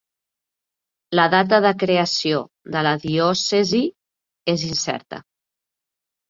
La data de creació de la diòcesi és incerta.